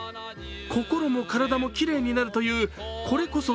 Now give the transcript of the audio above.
心も体もきれいになるという、これこそ